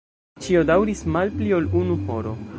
Ĉio daŭris malpli ol unu horo.